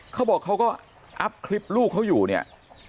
เขาบอกเขาก็อัพคลิปลูกเขาอยู่เนี่ย